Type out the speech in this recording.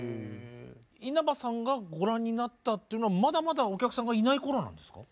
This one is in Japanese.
稲葉さんがご覧になったっていうのはまだまだお客さんがいない頃なんですか？